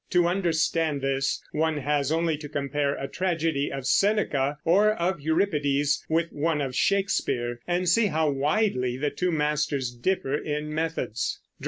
To understand this, one has only to compare a tragedy of Seneca or of Euripides with one of Shakespeare, and see how widely the two masters differ in methods.